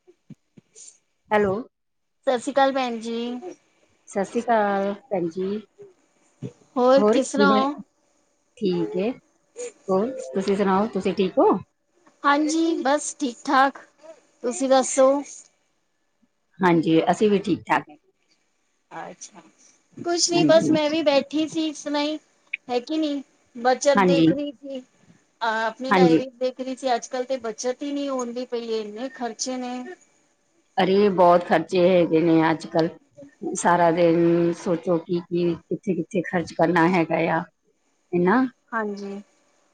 [unintelligible] Hello ਸਤਿ ਸ਼੍ਰੀ ਅਕਾਲ ਭੈਣ ਜੀ ਸਤਿ ਸ੍ਰੀ ਅਕਾਲ ਭੈਣ ਜੀ ਹੋਰ ਕਿਸ ਤਰ੍ਹਾਂ ਕਿਵੇਂ ਹੋ? ਠੀਕ ਏ, ਹੋਰ ਤੁਸੀਂ ਸੁਣਾਓ ਤੁਸੀਂ ਠੀਕ ਹੋ ਹਾਂਜੀ ਬਸ ਠੀਕ ਠਾਕ ਤੁਸੀਂ ਦੱਸੋ ਹਾਂਜੀ ਅਸੀਂ ਵੀ ਠੀਕ ਠਾਕ ਐ ਅੱਛਾ ਕੁਛ ਨੀ ਬਸ ਹਾਂਜੀ ਮੈਂ ਵੀ ਬੈਠੀ ਸੀ ਇਸ ਤਰਹ ਹੀ, ਹੈ ਕੀ ਨੀ ਬੱਚਤ ਹਾਂਜੀ ਦੇਖ ਰਹੀ ਸੀ ਅ ਆਪਣੀ ਹਾਂਜੀ ਡਾਇਰੀ ਤੇ ਅੱਜ ਕੱਲ ਤੇ ਬਚਤ ਹੀ ਨਹੀਂ ਹੁੰਦੀ ਦੀ ਪਈ ਏ, ਇੰਨੇ ਖਰਚੇ ਨੇ ਅਰੇ ਬਹੁਤ ਖਰਚੇ ਹੈਗੇ ਨੇ ਅੱਜ ਕੱਲ੍ਹ ਸਾਰਾ ਦਿਨ ਸੋਚੋ ਕਿ ਕੀ ਕਿੱਥੇ ਕਿੱਥੇ ਖਰਚ ਕਰਨਾ ਹੈਗਾ ਆ ਇਹਨਾ ਹਾਂਜੀ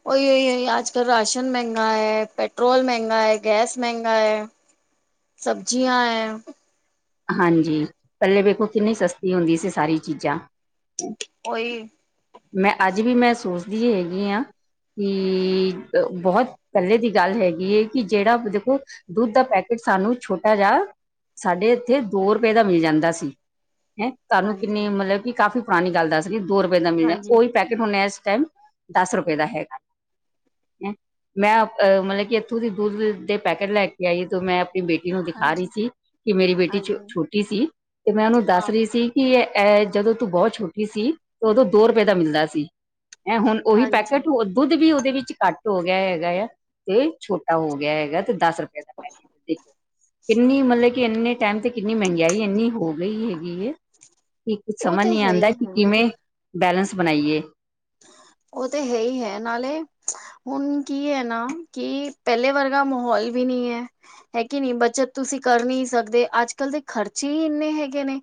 ਉਹਹੀ ਆਜ ਕੱਲ ਰਾਸ਼ਨ ਮਹਿੰਗਾ ਹੈ, ਪੈਟਰੋਲ ਮਹਿੰਗਾ ਹੈ, ਗੈਸ ਮਹਿੰਗਾ ਹੈ ਸਬਜ਼ੀਆਂ ਐ ਹਾਂਜੀ ਪੱਹਲੇ ਵੇਖੋ ਕਿੰਨੀ ਸਸਤੀ ਹੁੰਦੀ ਸੀ ਸਾਰੀ ਚੀਜ਼ਾਂ ਉਹੀ ਮੈਂ ਅੱਜ ਵੀ ਮੈਂ ਸੋਚਦੀ ਹੈਗੀ ਹਾਂ ਕਿ, ਬਹੁਤ ਪਹਿਲੇ ਦੀ ਗੱਲ ਹੈਗੀ ਏ ਕਿ ਜਿਹੜਾ ਦੇਖੋ ਦੁੱਧ ਦਾ ਪੈਕੇਟ ਸਾਨੂੰ ਛੋਟਾ ਜਾ, ਸਾਡੇ ਇੱਥੇ ਦੋ ਰੁਪਏ ਦਾ ਮਿਲ ਜਾਂਦਾ ਸੀ। ਹੈਂ, ਤੁਹਾਨੂੰ ਕਿੰਨੀ ਹਾਂਜੀ, ਮਤਲਬ ਕਿ ਕਾਫ਼ੀ ਪੁਰਾਣੀ ਗੱਲ ਦੱਸਰੀ ਆ, ਦੋ ਰੁਪਏ ਦਾ ਮਿਲ ਜਾ ਹਾਂਜੀ, ਉਹੀ ਪੈਕੇਟ ਹੁੰਨੇ ਆ ਇਸ ਟਾਈਮ, ਦਸ ਰੁਪਏ ਦਾ ਹੈਗਾ। ਮੈਂ ਅ, ਮਤਲਬ ਕਿ ਇੱਥੋਂ ਦੀ ਦੁੱਧ ਦੇ ਪੈਕੇਟ ਲੈਕੇ ਆਈ ਤੇ, ਮੈਂ ਆਪਣੀ ਬੇਟੀ ਨੂੰ ਦਿਖਾ ਰਹੀ ਹਾਂਜੀ। ਸੀ, ਕਿ ਮੇਰੀ ਬੇਟੀ ਹਾਂਜੀ, ਛੋਟੀ ਸੀ, ਤੇ ਮੈਂ ਉਹਨੂੰ ਦੱਸਰੀ ਆਹੋ, ਸੀ ਕੀ ਐ, ਜਦੋਂ ਤੂੰ ਬਹੁਤ ਛੋਟੀ ਸੀ, ਉਦੋਂ ਦੋ ਰੁਪਏ ਦਾ ਮਿਲਦਾ ਸੀ। ਐ ਹੁਣ ਉਹੀ ਹਾਂਜੀ। ਪੈਕੇਟ ਦੁੱਧ ਵੀ ਉਹਦੇ ਵਿੱਚ ਘੱਟ ਹੋਗਿਆ ਹੈਗਾ ਯਾ, ਤੇ ਛੋਟਾ ਹੋਗਿਆ ਹੈਗਾ ਤੇ ਦਸ ਰ ਕਿੰਨੀ ਮਤਲਬ ਕਿ ਇੰਨੇ ਟਾਈਮ ਤੇ ਕਿੰਨੀ ਮਹਿੰਗਾਈ ਇੰਨੀ ਹੋ ਗਈ ਹੈਗੀਏ, ਕਿ ਕੁਝ ਉਹ ਸਮਝ ਤੇ ਨਹੀਂ ਹੈ ਆਂਦਾ, ਹੀ ਕਿ ਹੈ। ਕਿਵੇਂ ਬੈਲੇਂਸ ਬਣਾਈਏ। ਉਹ ਤੇ ਹੈਹੀ ਹੈ, ਨਾਲੇ ਹੁਣ ਕੀ ਐ ਨਾ, ਕਿ ਪਹਿਲੇ ਵਰਗਾ ਮਾਹੌਲ ਵੀ ਨ੍ਹੀਂ ਏ। ਹੈ ਕਿ ਨੀ, ਬੱਚਤ ਤੁਸੀਂ ਕਰ ਨੀ ਸਕਦੇ ਅੱਜ-ਕੱਲ ਦੇ ਖਰਚੇ ਈ ਇੰਨੇ ਹੈਗੇ ਨੇ।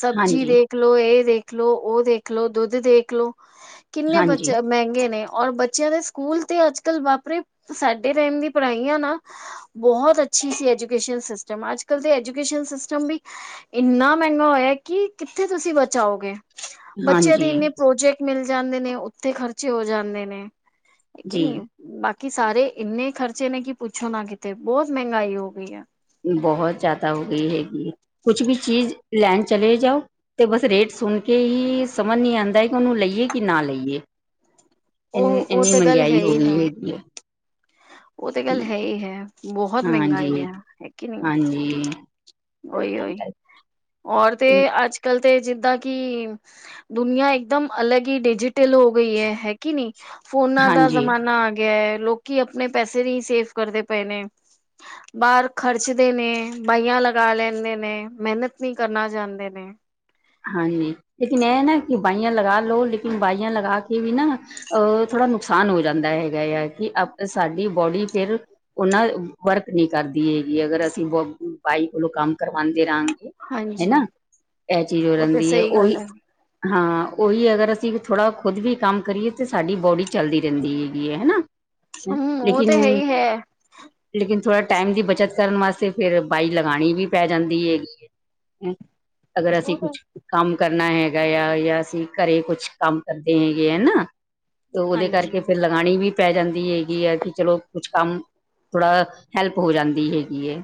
ਸਬਜ਼ੀ ਹਾਂਜੀ ਦੇਖਲੋ, ਇਹ ਦੇਖਲੋ, ਉਹ ਦੇਖਲੋ, ਦੁੱਧ ਦੇਖਲੋ। ਕਿੰਨੇ ਬੱਚ ਹਾਂਜੀ ਮਹਿੰਗੇ ਨੇ, ਔਰ ਬ ਬੱਚਿਆਂ ਦੇ ਸਕੂਲ ਤੇ ਅੱਜ-ਕੱਲ ਬਾਪਰੇ, ਸਾਡੇ ਟਾਈਮ ਦੀ ਪੜ੍ਹਾਈਆ ਨਾ ਬਹੁਤ ਅੱਛੀ ਸੀ ਐਜੂਕੇਸ਼ਨ ਸਿਸਟਮ, ਅੱਜ-ਕਲ ਤੇ ਐਜੂਕੇਸ਼ਨ ਸਿਸਟਮ ਵੀ ਇੰਨਾ ਮਹਿੰਗਾ ਹੋਇਆ ਕਿ, ਕਿੱਥੇ ਤੁਸੀਂ ਬਚਾਓਗੇ। ਬੱਚਿਆਂ ਹਾਂਜੀ ਦੇ ਇੰਨੇ ਪ੍ਰੋਜੈਕਟ ਮਿਲ ਜਾਂਦੇ ਨੇ, ਉੱਥੇ ਖਰਚੇ ਹੋ ਜਾਂਦੇ ਨੇ। ਹੈ ਕਿ ਜੀ ਨਹੀਂ, ਬਾਕੀ ਸਾਰੇ ਇੰਨੇ ਖਰਚੇ ਨੇ ਕਿ ਪੁੱਛੋ ਨਾ ਕਿਤੇ, ਬਹੁਤ ਮਹਿੰਗਾਈ ਹੋ ਗਈ ਐ। ਬਹੁਤ ਜ਼ਿਆਦਾ ਹੋ ਗਈ ਹੈਗੀ ਏ, ਕੁਛ ਵੀ ਚੀਜ਼ ਲੈਣ ਚਲੇ ਜਾਓ ਤੇ ਬਸ ਰੇਟ ਸੁਣਕੇ ਈ, ਸਮਝ ਨਹੀਂ ਆਂਦਾ ਕਿ ਉਹਨੂੰ ਲਈਏ ਕਿ ਨਾ ਲਈਏ। ਇੰ, ਉਹ ਉਹ ਇੰਨੀ ਤੇ ਗੱਲ ਮਹੰਗੇਆਈ ਹੈ ਹੋ ਹੀ ਗਈ ਹੈ। ਹੈਗੀ ਏ। ਉਹ ਤੇ ਗੱਲ ਹੈਹੀ ਹੈ, ਬਹੁਤ ਮਹਿੰਗਾਈ ਹਾਂਜੀ ਐ, ਹੈ ਕਿ ਨਹੀਂ। ਹਾਂਜੀ ਓਈ, ਉਈ ਔਰ ਤੇ ਅੱਜ-ਕਲ ਤੇ ਜਿੱਦਾਂ ਕਿ ਦੁਨੀਆਂ ਇੱਕਦਮ ਅਲੱਗ ਈ ਡਿਜੀਟਲ ਹੋ ਗਈ ਏ, ਹੈ ਕਿ ਨੀ, ਫੋਨਾ ਦਾ ਹਾਂਜੀ ਜ਼ਮਾਨਾ ਆਗਿਆ ਏ, ਲੋਕੀ ਆਪਣੇ ਪੈਸੇ ਨਹੀਂ ਸੇਫ ਕਰਦੇ ਪਏ ਨੇ। ਬਾਹਰ ਖਰਚਦੇ ਨੇ, ਬਾਈਆਂ ਲਗਾ ਲੈਂਦੇ ਨੇ, ਮਿਹਨਤ ਨਹੀਂ ਕਰਨਾ ਚਾਂਦੇ ਨੇ। ਹਾਂਜੀ, ਲੇਕਿਨ ਐ ਨਾ, ਕਿ ਬਾਈਆਂ ਲਗਾਲੋ ਲੇਕਿਨ ਬਾਈਆਂ ਲਗਾਕੇ ਵੀ ਨਾ ਅਹ ਥੋੜ੍ਹਾ ਨੁਕਸਾਨ ਹੋ ਜਾਂਦਾ ਹੈਗਾ ਯਾ, ਕਿ ਅ ਸਾਡੀ ਬੌਡੀ ਫਿਰ ਉਹਨਾਂ ਵਰਕ ਨਹੀਂ ਕਰਦੀ ਹੇਗੀ, ਅਗਰ ਅਸੀਂ ਬ ਬਾਈ ਕੋਲੋਂ ਕੰਮ ਕਰਵਾਂਦੇ ਰਹਾਂ ਹਾਂਜੀ। ਚੀਜ਼ ਹੋ ਉਹ ਤੇ ਜਾਂਦੀ ਏ, ਸਹੀ ਗੱਲ ਓਹੀ ਹੈ ਹਾਂ, ਉਹੀ ਅਗਰ ਅਸੀਂ ਥੋੜਾ ਖੁਦ ਵੀ ਕੰਮ ਕਰੀਏ, ਤਾਂ ਸਾਡੀ ਬੌਡੀ ਚੱਲਦੀ ਰਹਿੰਦੀ ਹੈਗੀ ਏ, ਹਨਾ। ਆ, ਹਮ ਉਹ ਤੇ ਹੈ ਲੇਕਿਨ ਹੀ ਹੈ ਲੇਕਿਨ ਥੋੜਾ ਟਾਈਮ ਦੀ ਬੱਚਤ ਕਰਨ ਵਾਸਤੇ, ਫੇਰ ਬਾਈ ਲਗਾਣੀ ਵੀ ਪੈ ਜਾਂਦੀ ਹੇ ਹੂੰ, ਅਗਰ ਅਸੀ ਉਹ ਤਾਂ ਕੰਮ ਕਰਨਾ ਹੈਗਾ ਯਾ, ਯਾ ਅਸੀਂ ਘਰੇ ਕੁਛ ਕੰਮ ਕਰਦੇ ਹੇਗੇ ਆ ਏਨਾ ਤੇ ਉਹਦੇ ਕਰਕੇ ਹਾਂਜੀ। ਫਿਰ ਲਗਾਣੀ ਵੀ ਪੈ ਜਾਂਦੀ ਹੇਗੀ ਆ, ਕਿ ਚਲੋ ਕੁਛ ਕੰਮ ਥੋੜ੍ਹਾ, ਹੈਲਪ ਹੋ ਜਾਂਦੀ ਹੇਗੀ ਏ।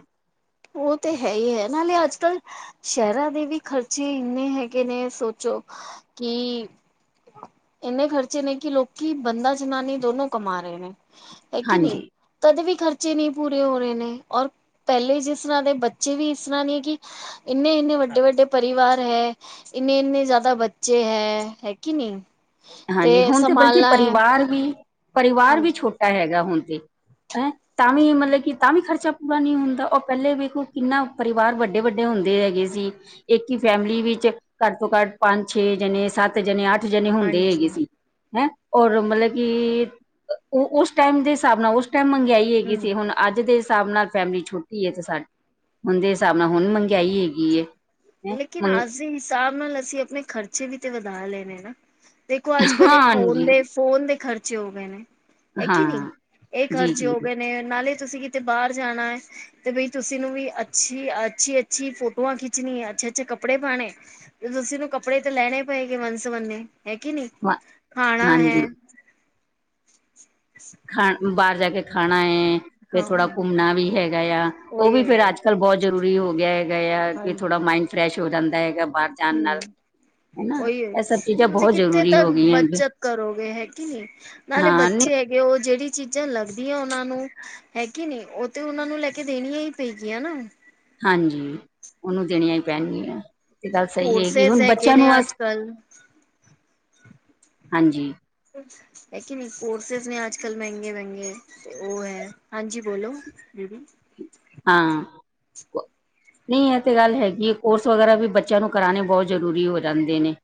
ਉਹ ਤੇ ਹੈਹੀ ਹੈ, ਨਾਲੇ ਅੱਜ-ਕੱਲ ਸ਼ਹਿਰਾ‌ ਦੇ ਵੀ ਖਰਚੇ ਇੰਨੇ ਹੈਗੇ ਨੇ ਸੋਚੋ, ਕਿ ਇੰਨੇ ਖਰਚੇ ਨੇ ਕਿ ਲੋਕੀ, ਬੰਦਾ-ਜਨਾਨੀ ਦੋਨੋਂ ਕਮਾ ਰਹੇ ਨੇ। ਐ ਕਿ ਹਾਂਜੀ ਨਈ, ਤਦ ਵੀ ਖਰਚੇ ਨੀ ਪੂਰੇ ਹੋ ਰਏ ਨੇ ਔਰ, ਪੈਲੇ ਜਿਸ ਇਸ ਤਰਾ ਦੇ ਬੱਚੇ ਵੀ ਇਸ ਤਰਾਂ ਨੇ ਕੀ, ਏਨੇ-ਏਨੇ ਵੱਡੇ-ਵੱਡੇ ਪਰਿਵਾਰ ਹੈ। ਇੰਨੇ-ਇੰਨੇ ਜਾਅਦਾ ਬੱਚੇ ਹੈ, ਹੈ ਕੇ ਨਈ ਹਾਂਜੀ ਹੁਣ ਤੇ ਬਲਕਿ ਪਰਿਵਾਰ ਵੀ, ਪਰਿਵਾਰ ਵੀ ਹਾਂਜੀ ਛੋਟਾ ਹੈਗਾ ਹੁਣ ਤੇ, ਹੈਂ ਤਾਂ ਵੀ ਮਲਬ ਕੀ ਤਾਂ ਵੀ ਖਰਚਾ ਪੂਰਾ ਨੀ ਹੁੰਦਾ, ਓ ਪੈਲੇ ਵੇਖੋ ਕਿੰਨਾ ਪਰਿਵਾਰ ਵੱਡੇ-ਵੱਡੇ ਹੁੰਦੇ ਹੈਗੇ ਸੀ। ਇੱਕ ਈ ਫੈਮਿਲੀ ਵਿੱਚ ਘੱਟ ਤੋਂ ਘੱਟ ਪੰਜ-ਛੇ ਜਨੇ, ਸੱਤ ਜਨੇ, ਅੱਠ ਜਨੇ ਹੁੰਦੇ ਹਾਂਜੀ ਹੈਗੇ ਸੀ। ਹੈਂ ਔਰ ਮਤਲਬ ਕੀ, ਅ ਓ ਉਸ ਟੈਮ ਦੇ ਸਾਬ ਨਾ ਉਸ ਟੈਮ ਮੰਗਿਆਈ ਹੈਗੀ ਹਮ ਸੀ, ਹੁਨ ਅੱਜ ਦੇ ਹਿਸਾਬ ਨਾਲ ਫੈਮਿਲੀ ਛੋਟੀ ਏ ਤੇ ਸਾ, ਹੁਨ ਦੇ ਸਾਬ ਨਾਲ ਹੁਨ ਮੰਗਿਆਈ ਐਗੀ ਏ। ਲੇਕਿਨ ਅੱਜ ਦੇ ਹਿਸਾਬ ਨਾਲ ਅਸੀਂ ਆਪਣੇ ਖਰਚੇ ਵੀ ਤੇ ਵਧਾ ਲੇ ਨਾ ਦੇਖੋ ਅੱਜ-ਕੱਲ ਏ ਫੋਨ ਹਾਂਜੀ ਦੇ, ਫੋਨ ਦੇ ਖਰਚੇ ਹੋ ਗਏ ਨੇ। ਐ ਕੀ ਨਈ, ਹਾਂ ਏ ਜੀ ਖਰਚੇ ਹੋ ਜੀ ਗਏ ਨੇ ਨਾਲੇ ਤੁਸੀਂ ਕਿਤੇ ਬਾਰ ਜਾਣਾ ਏ, ਤੇ ਬਈ ਤੁਸੀਂ ਨੂੰ ਵੀ ਅੱਛੀ-ਅੱਛੀ-ਅੱਛੀ ਫੋਟੋਆਂ ਖਿੱਚਣੀ ਐ। ਅੱਛੇ-ਅੱਛੇ ਕੱਪੜੇ ਪਾਣੇ, ਤੁਸੀਂ ਨੂੰ ਕੱਪੜੇ ਤੇ ਲੈਣੇ ਪਏਗੇ ਵੰਨ-ਸਵੰਨੇ, ਹੈ ਕੀ ਨਈ। ਖਾਣਾ ਹੈ। ਹਾਂਜੀ ਖਾਣ ਬਾਰ ਜਾ ਕੇ ਖਾਣਾ ਏ, ਫੇਰ ਥੋੜਾ ਹਾਂ ਘੁੰਮਣਾ ਵੀ ਹੈਗਾ ਏਆ। ਓ ਉਹੀ ਵੀ ਫੇਰ ਹੈ, ਅੱਜ-ਕੱਲ ਬੋਹ ਜ਼ਰੂਰੀ ਹੋ ਗਿਆ ਹੈਗਾ ਆ ਕੀ ਥੋੜਾ ਹਾਂਜੀ ਮਾਇੰਡ ਫਰੈਸ਼ ਹੋ ਜਾਂਦਾ ਹੈਗਾ ਬਾਰ [unintelligible] ਨਾ ਓਈ ਏ, ਤੁਸੀਂ ਕਿੱਥੇ ਜ਼ਰੂਰੀ ਹੋ ਤੱਕ ਗਈਆਂ ਹੈਗੀਆਂ ਬੱਚਤ ਕਰੋਗੇ ਹੈ ਕੇ ਨਈ, ਨਾਲੇ ਹਾਂ ਨਹੀਂ ਬੱਚੇ ਐਗੇ ਕਿ ਓ ਜੇੜੀ ਚੀਜ਼ਾਂ ਲੱਗਦੀਆਂ ਉਨਾਂ ਨੂੰ ਹੈ ਕੇ ਨਈ, ਓ ਤੇ ਉਨਾਂ ਨੂੰ ਲੈ ਕੇ ਦੇਣੀਆਂ ਈ ਪਏਗੀਆਂ ਨਾ। ਹਾਂਜੀ, ਓਨੂੰ ਦੇਣੀਆਂ ਈ ਪੈਣਗੀਆਂ, ਏ ਗੱਲ ਸਈ ਐਗੀ, ਕੋਰਸਿਸ ਹੁਣ ਹੈਗੇ ਬੱਚਿਆਂ ਨੇ ਨੂੰ ਅੱਜ ਅਸੀਂ ਕੱਲ ਹਾਂਜੀ। ਹੈ ਕੇ ਨਈ, ਕੋਰਸਿਸ ਨੇ ਅੱਜ-ਕੱਲ ਮੈਂਗੇ-ਮੈਂਗੇ ਤੇ ਓ ਐ। ਹਾਂਜੀ ਬੋਲੋ ਹਾਂ, ਓ ਨਈ ਏ ਤੇ ਗੱਲ ਹੈਗੀ ਏ, ਕੋਰਸ ਵਗੈਰਾ ਵੀ ਬੱਚੇਆਂ ਨੂੰ ਕਰਾਣੇ ਬੋ ਜ਼ਰੂਰੀ ਹੋ ਜਾਂਦੇ ਨੇ।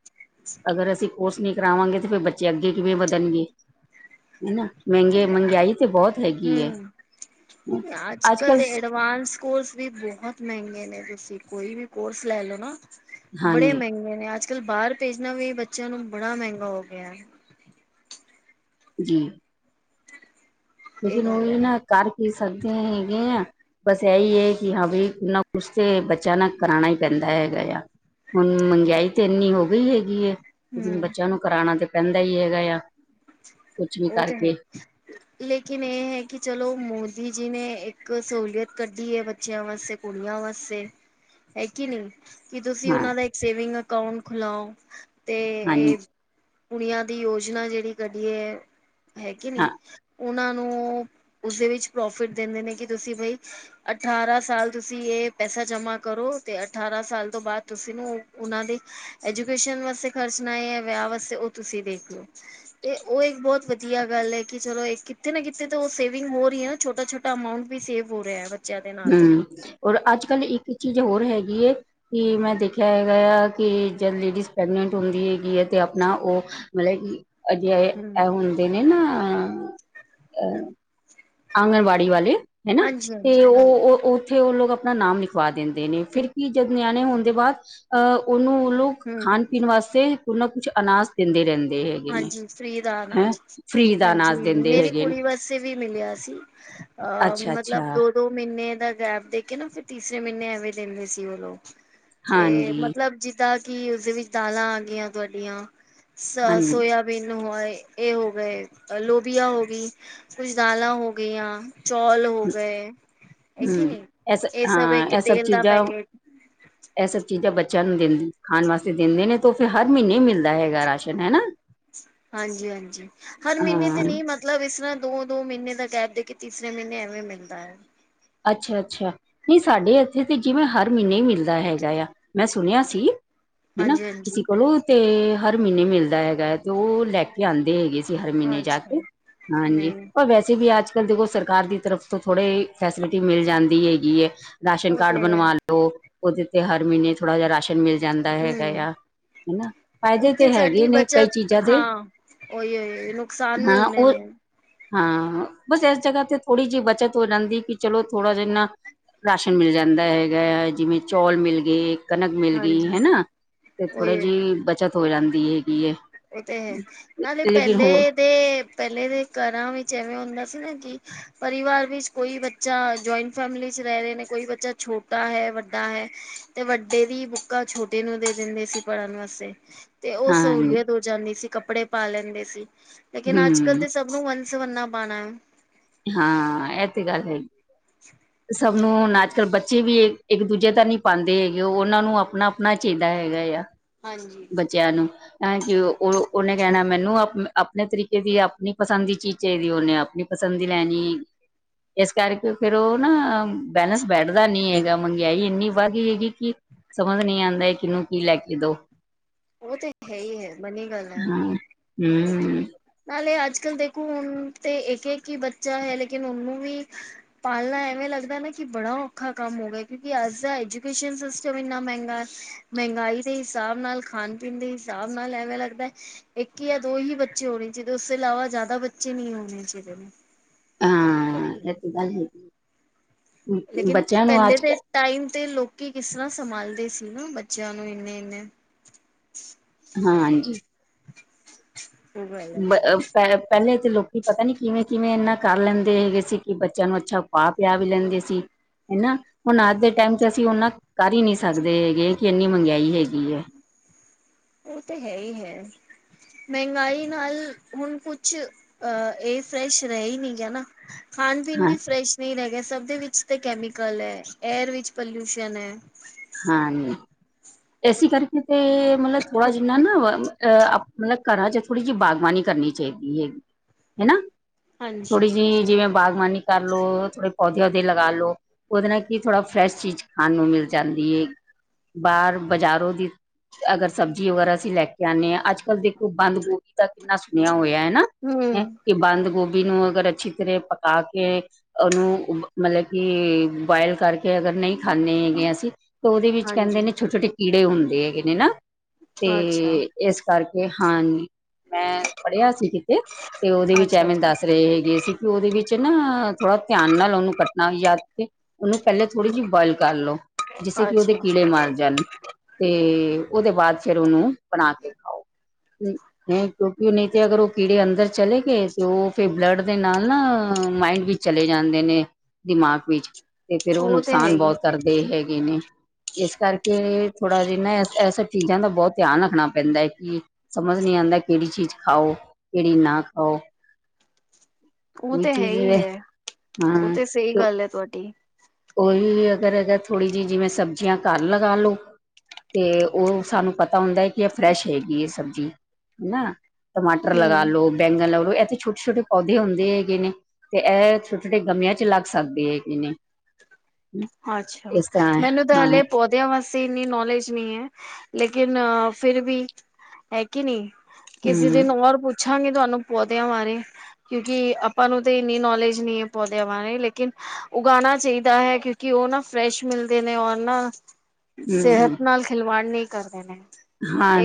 ਅਗਰ ਅਸੀਂ ਕੋਰਸ ਨੀ ਕਰਾਵਾਂਗੇ ਤੇ ਫੇਰ ਬੱਚੇ ਅੱਗੇ ਕਿਵੇਂ ਵਧਣਗੇ, ਹੈਨਾ। ਮੈਂਗੇ ਮੰਗਿਆਈ ਤੇ ਬੋਤ ਹੈਗੀ ਐ। ਅੱਜ-ਕਲ ਦੇ ਐਡਵਾਂਸ ਕੋਰਸ ਵੀ ਬਹੁਤ ਮੈਂਗੇ ਨੇ, ਤੁਸੀਂ ਕੋਈ ਵੀ ਕੋਰਸ ਲੈ ਲੋ ਨਾ ਬੜੇ ਹਾਂਜੀ ਮੈਂਗੇ ਨੇ ਅੱਜ-ਕੱਲ ਬਾਰ ਭੇਜਣਾ ਵੀ ਬੱਚੇਆਂ ਨੂੰ ਬੜਾ ਮੈਂਗਾ ਹੋ ਗਿਆ। ਜੀ। ਇਹ ਲੇਕਿਨ ਗੱਲ ਓਹੀ ਹੈ ਨਾ ਕਰ ਕੀ ਸਕਦੇ ਹੈਗੇ ਆਂ। ਬਸ ਐਈ ਏ ਕੀ ਹਾਂ ਬਈ ਕੁਛ ਨਾ ਕੁਛ ਤੇ ਬੱਚੇਆਂ ਨਾ ਕਰਾਣਾ ਈ ਪੈਂਦਾ ਹੈਗਾ ਯਾ। ਹੁਣ ਮੰਗਿਆਈ ਤੇ ਇੰਨੀ ਹੋ ਗਈ ਹੈਗੀ ਐ, ਹਮ ਬੱਚੇਆਂ ਨੂੰ ਕਰਾਣਾ ਤੇ ਪੈਂਦਾ ਈ ਹੈਗਾ ਏਆ। ਓ, ਤੇ ਹੈ। ਲੇਕਿਨ ਏ ਹੈ ਕਿ ਚਲੋ ਮੋਦੀ ਜੀ ਨੇ ਇੱਕ ਸਹੂਲੀਅਤ ਕੱਢੀ ਏ ਬੱਚਿਆਂ ਵਾਸਤੇ ਕੁੜੀਆਂ ਵਾਸਤੇ, ਐ ਕੇ ਨਈ ਕਿ ਤੁਸੀਂ ਹਾਂ ਓਨਾਂ ਦਾ ਇੱਕ ਸੇਵਿੰਗ ਅਕਾਊਂਟ ਖੁਲਾਓ, ਤੇ ਹਾਂਜੀ ਏ ਕੁੜੀਆਂ ਦੀ ਯੋਜਨਾ ਜੇੜੀ ਕੱਢੀ ਏ, ਹੈ ਕਿ ਨਈ। ਹਾਂ ਓਨਾਂ ਨੂੰ, ਉਸੇ ਵਿੱਚ ਪ੍ਰੋਫਿਟ ਦਿੰਦੇ ਨੇ ਕੇ ਤੁਸੀਂ ਬਈ ਅਠਾਰਾਂ ਸਾਲ ਤੁਸੀਂ ਏ ਪੈਸਾ ਜਮਾਂ ਕਰੋ ਤੇ ਅਠਾਰਾਂ ਸਾਲ ਤੋਂ ਬਾਦ ਤੁਸੀਂ ਨੂੰ ਓਨਾਂ ਦੇ ਐਜੂਕੇਸ਼ਨ ਵਾਸਤੇ ਖਰਚਣਾ ਏ ਯਾ ਵਿਆਹ ਵਾਸਤੇ ਓ ਤੁਸੀਂ ਦੇਖ ਲੋ। ਤੇ ਓ ਇੱਕ ਬੋਤ ਵਦੀਆ ਗੱਲ ਐ ਕਿ ਚਲੋ ਏ ਕਿੱਥੇ ਨਾ ਕਿੱਥੇ ਤਾਂ ਓ ਸੇਵਿੰਗ ਹੋੋ ਰਈ ਐ ਨਾ ਛੋਟਾ-ਛੋਟਾ ਅਮਾਊਂਟ ਵੀ ਸੇਵ ਹੋ ਰਿਆ ਐ ਬੱਚਿਆਂ ਦੇ ਨਾਂ ਤੇ ਹਮ ਔਰ ਅੱਜ ਕੱਲ੍ਹ ਇੱਕ ਚੀਜ਼ ਹੋਰ ਹੈਗੀ ਏ ਕਿ ਮੈਂ ਦੇਖਿਆ ਹੈਗਾ ਆ ਕਿ ਜਦ ਲੇਡੀਜ਼ ਪ੍ਰੈਗਨੈਂਟ ਹੁੰਦੀ ਹੈਗੀ ਹੈ ਤੇ ਆਪਣਾ ਉਹ ਮਤਲਬ ਕਿ ਅਜਿਹੇ ਇਹ ਹੁੰਦੇ ਨੇ ਨਾ ਅ ਆਂਗਣਵਾੜੀ ਵਾਲੇ ਹਨਾ ਹਾਂਜੀ ਹਾਂਜੀ ਤੇ ਹਾਂਜੀ ਉਹ ਉੱਥੇ ਉਹ ਲੋਕ ਆਪਣਾ ਨਾਮ ਲਿਖਵਾ ਦਿੰਦੇ ਨੇ ਫਿਰ ਕੀ ਜਦ ਨਿਆਣੇ ਹੋਣ ਦੇ ਬਾਅਦ ਅਹ ਉਹਨੂੰ ਉਹ ਲੋਕ ਹਮ ਖਾਣ ਪੀਣ ਵਾਸਤੇ ਕੁਝ ਨਾ ਕੁਛ ਅਨਾਜ ਦਿੰਦੇ ਰਹਿੰਦੇ ਹੈ ਹਾਂਜੀ ਹਾਂਜੀ ਫਰੀ ਦਾ ਅਨਾਜ ਦਾ ਹਾਂਜੀ ਅਨਾਜ ਦਿੰਦੇ ਮੇਰੀ ਹੈਗੇ ਨੇ ਕੁੜੀ ਬਸ ਏ ਸੀ ਵੀ ਮਿਲਿਆ ਸੀ ਅਹ ਅੱਛਾ ਮਤਲਬ ਅੱਛਾ ਦੋ ਦੋ ਮਹੀਨੇ ਦਾ ਗੈਪ ਦੇ ਕੇ ਨਾ ਫਿਰ ਤੀਸਰੇ ਮਹੀਨੇ ਐਵੇਂ ਦਿੰਦੇ ਸੀ ਉਹ ਲੋਕ ਇਹ ਹਾਂਜੀ ਮਤਲਬ ਜਿੱਦਾਂ ਕਿ ਉਸਦੇ ਵਿੱਚ ਦਾਲਾਂ ਆਂਦੀਆਂ ਤੁਹਾਡੀਆਂ ਹਾਂਜੀ ਬਨ ਹੋਏ ਇਹ ਹੋ ਗਏ ਲੋਬੀਆਂ ਹੋ ਗਈ ਕੁਝ ਦਾਲਾਂ ਹੋ ਗਈਆਂ ਚੌਲ ਹੋ ਗਏ ਹੈ ਕਿ ਨਹੀਂ ਹੂੰ ਇਹ ਸਭ ਹਾਂ ਇੱਕ ਇਹ ਸਭ ਤੇਲ ਦਾ ਚੀਜ਼ਾਂ ਪੈਕੇਟ ਇਹ ਸਭ ਚੀਜ਼ਾਂ ਬੱਚਿਆਂ ਨੂੰ ਦਿੰਦੇ ਖਾਣ ਵਾਸਤੇ ਦਿੰਦੇ ਨੇ ਤੇ ਫਿਰ ਹਰ ਮਹੀਨੇ ਮਿਲਦਾ ਹੈਗਾ ਰਾਸ਼ਨ ਹਨਾ ਹਾਂਜੀ ਹਾਂਜੀ ਹਰ ਮਹੀਨੇ ਤੇ ਹਾਂ ਨਹੀਂ ਮਤਲਬ ਮਤਲਬ ਇਸ ਤਰ੍ਹਾਂ ਦੋ ਦੋ ਮਹੀਨੇ ਦਾ ਗੈਪ ਦੇ ਕੇ ਤੀਸਰੇ ਮਹੀਨੇ ਐਵੇਂ ਮਿਲਦਾ ਹੈ ਅੱਛਾ ਅੱਛਾ ਨਹੀਂ ਸਾਡੇ ਇੱਥੇ ਤੇ ਜਿਵੇਂ ਹਰ ਮਹੀਨੇ ਹੀ ਮਿਲਦਾ ਹੈਗਾ ਆ ਮੈਂ ਸੁਣਿਆ ਸੀ ਹਨਾ ਹਾਂਜੀ ਹਾਂਜੀ ਕਿਸੀ ਕੋਲੋਂ ਤੇ ਹਰ ਮਹੀਨੇ ਮਿਲਦਾ ਹੈਗਾ ਹੈ ਤੇ ਉਹ ਲੈ ਕੇ ਆਉਂਦੇ ਹੈਗੇ ਸੀ ਹਰ ਮਹੀਨੇ ਜਾ ਅੱਛਾ ਕੇ ਹਾਂਜੀ ਨਹੀਂ ਪਰ ਵੈਸੇ ਵੀ ਅੱਜ ਕੱਲ ਦੇਖੋ ਸਰਕਾਰ ਦੀ ਤਰਫ ਤੋਂ ਥੋੜੇ ਫੈਸਿਲਿਟੀ ਮਿਲ ਜਾਂਦੀ ਹੈਗੀ ਹੈ ਰਾਸ਼ਨ ਉਹ ਕਾਰਡ ਤੇ ਹੈ ਬਣਵਾ ਲਓ ਉਹਦੇ ਤੇ ਹਰ ਮਹੀਨੇ ਥੋੜ੍ਹਾ ਜਿਹਾ ਰਾਸ਼ਨ ਮਿਲ ਜਾਂਦਾ ਹੈਗਾ ਹਮ ਆ ਹਨਾ ਫਾਇਦੇ ਉੱਥੇ ਤੇ ਹੈਗੇ ਸਾਡੀ ਨੇ ਕਈ ਬੱਚਤ ਚੀਜ਼ਾਂ ਦੇ ਹਾਂ ਉਹੀ ਉਹੀ ਨੁਕਸਾਨ ਵੀ ਹਾਂ ਇਨੇ ਉਹ ਨੇ ਹਾਂ ਬਸ ਇਸ ਜਗਾ ਤੇਥੋੜੀ ਜਿਹੀ ਬੱਚਤ ਹੋ ਜਾਂਦੀ ਕਿ ਚਲੋ ਥੋੜਾ ਜਿਨਾ ਰਾਸ਼ਨ ਮਿਲ ਜਾਂਦਾ ਹੈਗਾ ਆ ਜਿਵੇਂ ਚੌਲ ਮਿਲ ਗਏ ਕਣਕ ਮਿਲ ਗਈ ਹਾਂਜੀ ਹਨਾ ਤੇ ਥੋੜੀ ਉਹੀ ਜਿਹੀ ਬੱਚਤ ਹੋ ਜਾਂਦੀ ਹੈਗੀ ਐ ਉਹ ਤੇ ਹੈ ਨਾਲੇ ਪਹਿਲੇ ਦੇ ਪਹਿਲੇ ਦੇ ਘਰਾਂ ਵਿੱਚ ਐਵੇਂ ਹੁੰਦਾ ਸੀ ਨਾ ਕਿ ਪਰਿਵਾਰ ਵਿੱਚ ਕੋਈ ਬੱਚਾ ਜੁਆਇੰਟ ਫੈਮਿਲੀ ਚ ਰਹਿ ਰਹੇ ਨੇ ਕੋਈ ਬੱਚਾ ਛੋਟਾ ਹੈ ਵੱਡਾ ਹੈ ਤੇ ਵੱਡੇ ਦੀ ਬੁੱਕਾਂ ਛੋਟੇ ਨੂੰ ਦੇ ਦਿੰਦੇ ਸੀ ਪੜ੍ਹਨ ਵਾਸਤੇ ਤੇ ਉਹ ਹਾਂ ਸਹੂਲੀਅਤ ਹੋ ਜਾਂਦੀ ਸੀ ਕੱਪੜੇ ਪਾ ਲੈਂਦੇ ਸੀ ਲੇਕਿਨ ਅੱਜ ਕੱਲ ਹੂੰ ਦੇ ਸਬ ਨੂੰ ਵਨ ਸਵੰਨਾ ਪਾਣਾ ਹਾਂ ਇਹ ਤੇ ਗੱਲ ਹੈਗੀ ਅੱਛ [unintelligible] ਸਭ ਨੂੰ ਹੁਣ ਅੱਜ ਕੱਲ੍ਹ ਬੱਚੇ ਵੀ ਇੱਕ ਦੂਜੇ ਦਾ ਨਹੀਂ ਪਾਉਂਦੇ ਹੈਗੇ ਉਹ ਉਹਨਾਂ ਨੂੰ ਆਪਣਾ ਆਪਣਾ ਚਾਹੀਦਾ ਹੈਗਾ ਆ ਹਾਂਜੀ ਬੱਚਿਆਂ ਨੂੰ ਹ ਕਿ ਉਹ ਉਹਨੇ ਕਹਿਣਾ ਮੈਨੂੰ ਆਪ ਆਪਣੇ ਤਰੀਕੇ ਦੀ ਆਪਣੀ ਪਸੰਦ ਦੀ ਚੀਜ਼ ਚਾਹੀਦੀ ਉਹਨੇ ਆਪਣੀ ਪਸੰਦ ਦੀ ਲੈਣੀ ਹੈ ਇਸ ਕਰਕੇ ਫੇਰ ਉਹ ਨਾ ਬੈਲੇੈਂਸ ਬੈਠਦਾ ਨੀ ਹੈਗਾ ਮੰਗਿਆਈ ਇੰਨੀ ਵੱਧ ਗਈ ਹੈਗੀ ਕਿ ਸਮਝ ਨੀ ਆਉਂਦਾ ਕਿਹਨੂੰ ਕੀ ਲੈ ਕੇ ਦੋ ਉਹ ਤੇ ਹੈ ਹੀ ਹੈ ਬਨੀ ਗੱਲ ਹੈ ਹਾਂ। ਹੂੰ ਥੈਂਕਯੂ ਨਾਲੇ ਅੱਜ ਕੱਲ ਦੇਖੋ ਹੁਣ ਤੇ ਇੱਕ ਹੀ ਬੱਚਾ ਹੈ ਲੇਕਿਨ ਉਹਨੂੰ ਵੀ ਪਾਲਣਾ ਐਵੇਂ ਲੱਗਦਾ ਨਾ ਕਿ ਬੜਾ ਔਖਾ ਕੰਮ ਹੋ ਗਿਆ ਕਿਉਕਿ ਅੱਜ ਦਾ ਐਜੂਕੇਸ਼ਨ ਸਿਸਟਮ ਇੰਨਾ ਮਹਿੰਗਾ ਮਹਿੰਗਾਈ ਦੇ ਹਿਸਾਬ ਨਾਲ ਖਾਣ ਪੀਣ ਦੇ ਹਿਸਾਬ ਨਾਲ ਐਵੇਂ ਲੱਗਦਾ ਹੈ ਇੱਕ ਜਾਂ ਦੋ ਹੀ ਬੱਚੇ ਹੋਣੇ ਚਾਹੀਦੇ ਉਸ ਤੋਂ ਇਲਾਵਾ ਜ਼ਿਆਦਾ ਬੱਚੇ ਨਹੀਂ ਹੋਣੇ ਚਾਹੀਦੇ ਹਾਂ ਇਹ ਤੇ ਗੱਲ ਹੈਗੀ ਲੇਕਿਨ ਬੱਚਿਆਂ ਨੂੰ ਪਹਿਲੇ ਅੱਜ ਦੇ ਕੱਲ ਟਾਈਮ ਤੇ ਲੋਕੀ ਕਿਸ ਤਰ੍ਹਾਂ ਸੰਭਾਲਦੇ ਸੀ ਨਾ ਬੱਚਿਆਂ ਨੂੰ ਇੰਨੇ ਇੰਨੇ! ਹਾਂਜੀ। [unintelligible] ਪਹਿਲੇ ਤੇ ਲੋਕੀ ਪਤਾ ਨੀ ਕਿਵੇਂ ਕਿਵੇਂ ਇਹਨਾ ਕਰ ਲੈਂਦੇ ਹੈਗੇ ਸੀ ਕਿ ਬੱਚਿਆਂ ਨੂੰ ਅੱਛਾ ਆ ਪਿਆਰ ਵੀ ਲੈਂਦੇ ਸੀ ਹਨਾ ਹੁਣ ਅੱਜ ਦੇ ਟਾਈਮ ਚ ਅਸੀਂ ਉਹਨਾਂ ਕਰ ਹੀ ਨਹੀਂ ਸਕਦੇ ਹੈਗੇ, ਕਿ ਇੰਨੀ ਮਹਿੰਗਾਈ ਹੈਗੀ ਹੈ। ਉਹ ਤੇ ਹੈ ਹੀ ਹੈ, ਮਹਿੰਗਾਈ ਨਾਲ ਹੁਣ ਕੁਛ ਅਹ ਇਹ ਫਰੈਸ਼ ਰਹਿ ਹੀ ਨੀ ਗਿਆ ਨਾ, ਖਾਣ ਪੀਣ ਹਾਂ ਵੀ ਫਰੈਸ਼ ਨਹੀਂ ਰਹਿ ਗਿਆ, ਸਭ ਦੇ ਵਿੱਚ ਤੇ ਕੈਮੀਕਲ ਹੈ, ਏਅਰ ਵਿੱਚ ਪੋਲਿਊਸ਼ਨ ਹੈ। ਹਾਂਜੀ, ਇਸੇ ਕਰਕੇ ਤੇ ਮਤਲਬ ਥੋੜਾ ਜਿੰਨਾ ਨਾ ਅ ਮਤਲਬ ਘਰਾਂ 'ਚ ਥੋੜ੍ਹੀ ਜਿਹੀ ਬਾਗਬਾਨੀ ਕਰਨੀ ਚਾਹੀਦੀ ਹੈਗੀ, ਹਨਾ? ਹਾਂਜੀ ਥੋੜ੍ਹੀ ਜਿਹੀ ਜਿਵੇਂ ਬਾਗਬਾਨੀ ਕਰਲੋ, ਥੋੜੇ ਪੌਦੇ-ਓਦੇ ਲੱਗਾ ਲੋ। ਉਹਦੇ ਨਾਲ ਕੀ, ਥੋੜਾ ਫਰੈਸ਼ ਚੀਜ਼ ਖਾਣ ਨੂੰ ਮਿਲ ਜਾਂਦੀ ਹੈ ਬਾਹਰ ਬਾਜ਼ਾਰੋਂ ਦੀ ਅਗਰ ਸਬਜ਼ੀ ਵਗੈਰਾ ਅਸੀਂ ਲੈ ਕੇ ਆਉਂਦੇ ਹਾਂ, ਅੱਜ-ਕੱਲ੍ਹ ਦੇਖੋ ਬੰਦ ਗੋਭੀ ਦਾ ਕਿੰਨਾ ਸੁਣਿਆ ਹੋਇਆ, ਹਨਾ? ਹਮ। ਕਿ ਬੰਦ ਗੋਭੀ ਨੂੰ ਅਗਰ ਅੱਛੀ ਤਰ੍ਹਾਂ ਪਕਾ ਕੇ ਉਹਨੂੰ ਮਤਲਬ ਕਿ ਬੁਆਇਲ ਕਰਕੇ ਅਗਰ ਨਹੀਂ ਖਾਂਦੇ ਹੈਗੇ ਅਸੀਂ, ਤਾਂ ਉਹਦੇ ਵਿੱਚ ਹਾਂਜੀ ਕਹਿੰਦੇ ਨੇ ਛੋਟੇ-ਛੋਟੇ ਕੀੜੇ ਹੁੰਦੇ ਹੈਗੇ ਨੇ, ਨਾ? ਅੱਛਾ ਤੇ ਇਸ ਕਰਕੇ ਹਾਂਜੀ। ਮੈਂ ਪੜ੍ਹਿਆ ਸੀ ਕਿਤੇ, ਤੇ ਉਹਦੇ ਵਿੱਚ ਅੱਛਾ ਐਵੇਂ ਅੱਛਾ ਦੱਸ ਰਹੇ ਹੈਗੇ ਸੀ। ਉਹਦੇ ਵਿੱਚ ਨਾ ਥੋੜਾ ਧਿਆਨ ਨਾਲ ਉਹਨੂੰ ਕੱਟਣਾ ਵੀ ਯ ਉਹਨੂੰ ਪਹਿਲਾਂ ਥੋੜ੍ਹੀ ਜਿਹੀ ਬੋਆਇਲ ਕਰ ਲਓ, ਜਿਸੇ ਕਿ ਉਹਦੇ ਅੱਛਾ ਕੀੜੇ ਮਾਰ ਜਾਣ। ਤੇ ਉਹਦੇ ਬਾਅਦ ਫਿਰ ਉਹਨੂੰ ਬਣਾ ਕੇ ਖਾਓ। ਕਿਉਂਕਿ ਨਹੀਂ ਤੇ ਅਗਰ ਉਹ ਕੀੜੇ ਅੰਦਰ ਚਲੇ ਗਏ, ਤੇ ਉਹ ਫੇਰ ਬਲੱਡ ਦੇ ਨਾਲ ਨਾ ਮਾਇੰਡ ਵਿੱਚ ਚਲੇ ਜਾਂਦੇ ਨੇ ਦਿਮਾਗ ਵਿੱਚ। ਤੇ ਫੇਰ ਉਹ ਤੇ ਹੈ ਨੁਕਸਾਨ ਹੀ ਬਹੁਤ ਕਰਦੇ ਹੈਗੇ ਨੇ ਇਸ ਕਰਕੇ ਥੋੜਾ ਜੇ ਨਾ ਐਸ ਚੀਜ਼ਾਂ ਦਾ ਬਹੁਤ ਧਿਆਨ ਰੱਖਣਾ ਪੈਂਦਾ ਹੈ ਕਿ ਸਮਝ ਨੀ ਆਉਂਦਾ ਕਿਹੜੀ ਚੀਜ਼‍ ਖਾਓ ਕਿਹੜੀ ਨਾ ਖਾਓ। ਉਹ ਉਹੀ ਤੇ ਹੈ ਚੀਜ਼ ਵ, ਹੀ ਹੈ ਉਹ ਹਾਂ। ਤੇ ਸਹੀ ਗੱਲ ਹੈ ਤੁਹਾਡੀ। ਕੋਈ ਵੀ ਅਗਰ ਅਗਰ ਥੋੜ੍ਹੀ ਜਿਹੀ ਜਿਵੇਂ ਸਬਜ਼ੀਆਂ ਘਰ ਲਗਾ ਲਉ। ਤੇ ਉਹ ਸਾਨੂੰ ਪਤਾ ਪਤਾ ਹੁੰਦਾ ਹੈ ਕਿ ਇਹ ਫਰੈਸ਼ ਹੈਗੀ ਹੈ ਸਬਜ਼ੀ, ਹਨਾ, ਟਮਾਟਰ ਲਗਾ ਹਮ ਲੋਓ। ਬੈਂਗਨ ਲਾ ਲਓ ਐ ਤੇ ਛੋਟੇ-ਛੋਟੇ ਪੌਦੇ ਹੁੰਦੇ ਹੈਗੇ ਨੇ। ਤੇ ਇਹ ਛੋਟੇ-ਛੋਟੇ ਗਮਲੀਆ 'ਚ ਲੱਗ ਸਕਦੇ ਹੈ ਕਿਨੇ। ਹਮ। ਅੱਛਾ, ਮੈਨੂੰ ਤਾਂ ਹਲੇ ਪੋ ਦਿਆ ਵਾਸਤੇ ਇੰਨੀ ਨੌਲੇਜ ਨਹੀਂ ਹੈ, ਲੇਕਿਨ ਫਿਰ ਵੀ ਹੈ ਕਿ ਨਹੀਂ, ਕਿਸੇ ਹਮ ਦਿਨ ਔਰ ਪੁੱਛਾਂਗੇ ਤੁਹਾਨੂੰ ਪੌਦਿਆਂ ਬਾਰੇ। ਕਿਉਂਕਿ ਆਪਾਂ ਨੂੰ ਤਾਂ ਇੰਨੀ ਨੌਲੇਜ ਨਹੀਂ ਹੈ ਪੌਦਿਆਂ ਬਾਰੇ, ਲੇਕਿਨ ਉਗਾਉਣਾ ਚਾਹੀਦਾ ਹੈ ਕਿਉਂ ਕਿ ਉਹ ਨਾ ਫਰੈਸ਼ ਮਿਲਦੇ ਨੇ ਔਰ ਨਾ ਹਮ ਸਿਹਤ ਨਾਲ ਖਿਲਵਾੜ ਨਹੀਂ ਕਰਦੇ ਨੇ।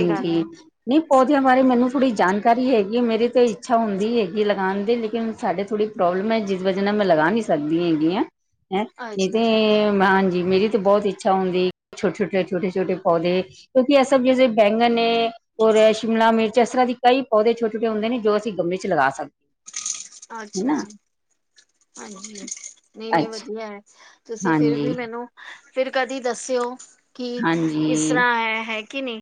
ਇਹ ਗੱਲ ਹੈ। ਨਹੀਂ ਪੌਦਿਆਂ ਬਾਰੇ ਮੈਨੂੰ ਥੋੜ੍ਹੀ ਜਾਣਕਾਰੀ ਹੈਗੀ, ਮੇਰੀ ਤੇ ਇੱਛਾ ਹੁੰਦੀ ਹੈਗੀ ਲਗਾਉਣ ਦੀ, ਲੇਕਿਨ ਸਾਡੇ ਥੋੜ੍ਹੀ ਪ੍ਰੋਬਲਮ ਹੈ ਜਿਸ ਵਜ੍ਹਾ ਨਾਲ ਮੈਂ ਲਗਾ ਨਹੀਂ ਸਕਦੀ ਹੈਗੀ ਹੈਂ ਨਹੀਂ ਅੱਛਾ ਤੇ ਅੱਛਾ ਹਾਂਜੀ, ਮੇਰੀ ਤੇ ਬਹੁਤ ਇੱਛਾ ਹੁੰਦੀ ਛੋਟੇ-ਛੋਟੇ, ਛੋਟੇ-ਛੋਟੇ ਪੌਦੇ ਕਿ ਸਭ ਜੈਸੇ ਬੈਂਗਨ ਨੇ। ਔਰ ਸ਼ਿਮਲਾ ਮਿਰਚ ਅਸਰ੍ਹਾਂ ਦੇ ਕਈ ਪੌਦੇ ਛੋਟੇ -ਛੋਟੇ ਹੁੰਦੇ ਨੇ ਜੋ ਅਸੀਂ ਗਮਲੇ ਚ' ਲਗਾ ਸਕਦੇ ਹਾਂ। ਅੱਛਾ- ਅੱਛਾ। ਹਾਂਜੀ। ਨਹੀਂ- ਨਹੀਂ, ਅੱਛਾ ਵਧੀਆ ਹੈ। ਤੁਸੀਂ ਫਿਰ ਵੀ ਹਾਂਜੀ ਮੈਨੂੰ, ਫਿਰ ਕਦੀ ਦੱਸਿਓ ਕਿ, ਕਿਸ ਹਾਂਜੀ ਤਰ੍ਹਾਂ ਹੈ ਹੈ ਕਿ ਨਹੀਂ।